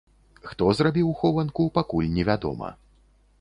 Хто зрабіў хованку, пакуль не вядома.